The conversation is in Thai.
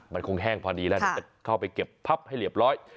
มันคงแห้งพอดีแล้วเดี๋ยวจะเข้าไปเก็บพับให้เรียบร้อย